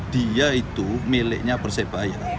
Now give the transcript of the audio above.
dia itu miliknya persebaya